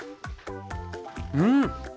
うん！